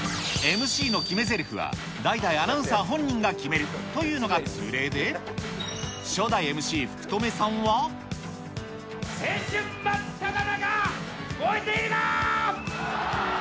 ＭＣの決めぜりふは、代々、アナウンサー本人が決めるというのが通例で、初代ＭＣ、福留さん青春真っただ中、燃えているかー！